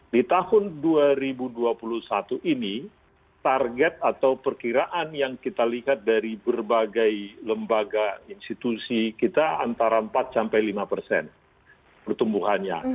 di tahun dua ribu dua puluh satu ini target atau perkiraan yang kita lihat dari berbagai lembaga institusi kita antara empat sampai lima persen pertumbuhannya